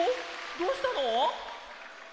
どうしたの？